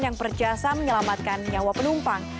yang berjasa menyelamatkan nyawa penumpang